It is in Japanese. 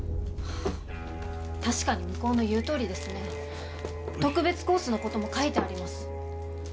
確かに向こうの言うとおりですね特別コースのことも書いてあります